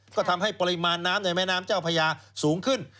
ก็ทำให้ปริมาณน้ำในแม่น้ำเจ้าพญาสูงขึ้น